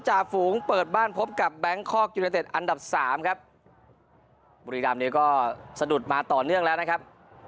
จูงเปิดบ้านพบกับแบงคอกยูเนเต็ดอันดับสามครับบุรีรำนี้ก็สะดุดมาต่อเนื่องแล้วนะครับ